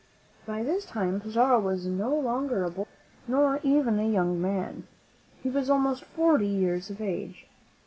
By this time Pizarro was no longer a boy, nor even a young man; he was almost forty years of age.